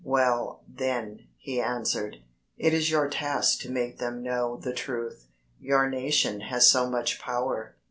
"Well, then," he answered, "it is your task to make them know the truth. Your nation has so much power.